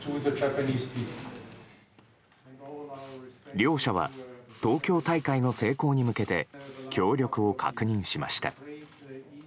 両者は東京大会の成功に向けて協力を確認しました。